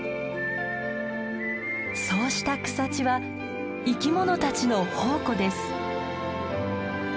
そうした草地は生き物たちの宝庫です。